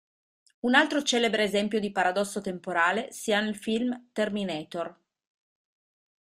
Un altro celebre esempio di paradosso temporale si ha nel film Terminator.